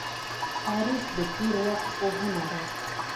تاریخ د تیر وخت پوهنه ده